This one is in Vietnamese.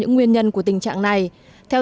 những nguyên nhân của tình trạng này theo